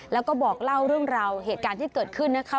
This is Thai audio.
แล้วก็บอกเล่าเรื่องราวเหตุการณ์ที่เกิดขึ้นนะคะ